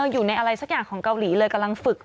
อยู่ในอะไรสักอย่างของเกาหลีเลยกำลังฝึก